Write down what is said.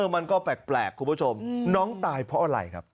มันก็แปลกคุณผู้ชมน้องตายเพราะอะไรครับ